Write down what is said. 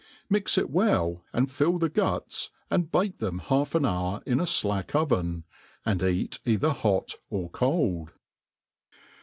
Mix it well, and fill the guts, and bake them half an hour in a flack oven, and eat either hoc or told.